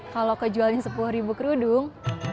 kalau kejualnya sepuluh ribu kerudung